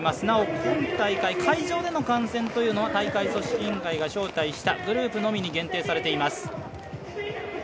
なお今大会、会場での観戦というのは大会組織委員会が招待したグループのみに限定されています。